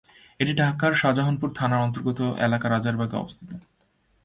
এটি ঢাকার শাহজাহানপুর থানার অন্তর্গত এলাকা রাজারবাগ-এ অবস্থিত।